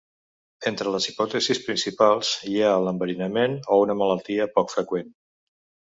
Entre les hipòtesis principals, hi ha l’enverinament o una malaltia poc freqüent.